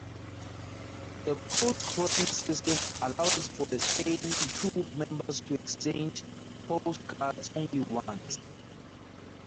The postcrossing system allows for the same two members to exchange postcards only once.